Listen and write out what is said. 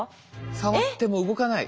触っても動かない。